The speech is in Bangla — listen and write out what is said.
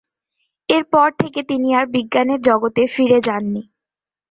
এর পর থেকে তিনি আর বিজ্ঞানের জগতে ফিরে যাননি।